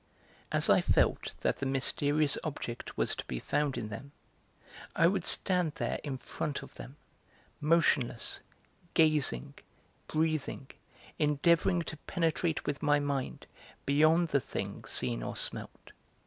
As I felt that the mysterious object was to be found in them, I would stand there in front of them, motionless, gazing, breathing, endeavouring to penetrate with my mind beyond the thing seen or smelt.